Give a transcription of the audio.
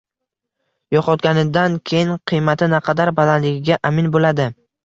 Yo‘qotganidan keyin qiymati naqadar balandligiga amin bo‘ladi.